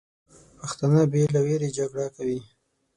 پښتانه بې له ویرې جګړه کوي.